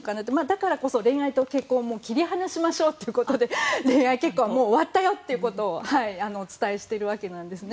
だからこそ恋愛と結婚を切り離しましょうということで恋愛結婚はもう終わったよということをお伝えしているわけなんですね。